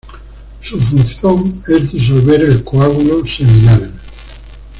Su función es disolver el coágulo seminal.